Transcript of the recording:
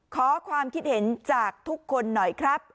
ขอความคิดเห็นจากทุกคนหน่อยครับ